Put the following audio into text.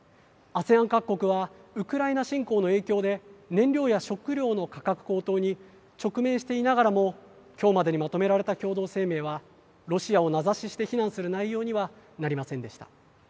ＡＳＥＡＮ各国はウクライナ侵攻の影響で燃料や食料の価格高騰に直面していながらも今日までにまとめられた共同声明はロシアを名指しして非難する内容にはなりませんでした。